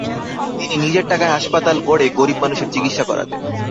তিনি নিজের টাকায় হাসপাতাল গড়ে গরীব মানুষের চিকিৎসা করাতেন।